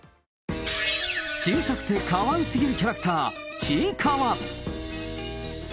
小さくてかわいすぎるキャラクター、ちいかわ。